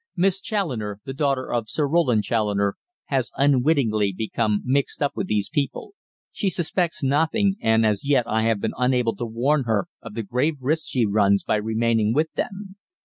"Miss Challoner, the daughter of Sir Roland Challoner, has unwittingly become mixed up with these people; she suspects nothing, and as yet I have been unable to warn her of the grave risk she runs by remaining with them.